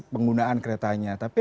penggunaan keretanya tapi